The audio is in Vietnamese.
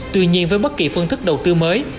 tuy nhiên với bất kỳ phương thức đầu tư mới